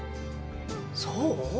そう？